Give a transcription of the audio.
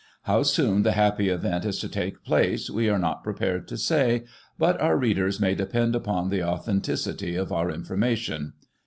How soon the happy event is to take place, we are not prepared to say, but our readers may depend upon the authenticity of our information.'